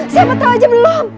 siapa tahu aja belum